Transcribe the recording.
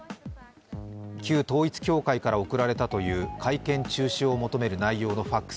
旧統一教会から送られたという会見中止を求める内容のＦＡＸ。